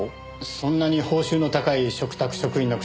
そんなに報酬の高い嘱託職員の口すぐには。